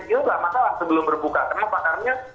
itu gak masalah sebelum berbuka karena pakarnya